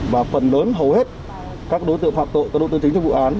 và phần lớn hầu hết các đối tượng phạm tội các đối tượng chính trong vụ án